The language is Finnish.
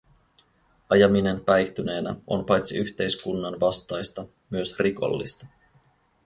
Ajaminen päihtyneenä on paitsi yhteiskunnan vastaista myös rikollista.